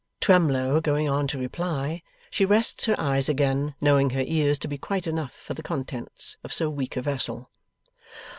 Twemlow going on to reply, she rests her eyes again, knowing her ears to be quite enough for the contents of so weak a vessel.